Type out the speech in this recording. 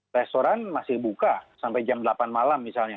restoran masih buka sampai jam delapan malam misalnya